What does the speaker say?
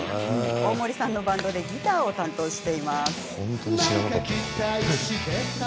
大森さんのバンドでギターを担当しています。